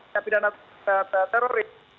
tapi dalam teroris